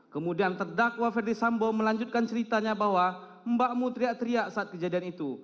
kemudian terdakwa ferdis sambo melanjutkan ceritanya bahwa mbakmu teriak teriak saat kejadian itu